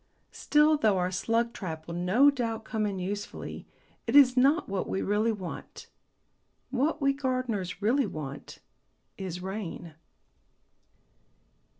Still, though our slug trap will no doubt come in usefully, it is not what we really want. What we gardeners really want is rain.